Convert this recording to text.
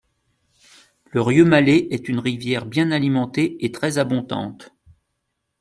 Le Rieumalet est une rivière bien alimentée et très abondante.